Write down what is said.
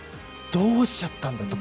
どうしちゃったんだと。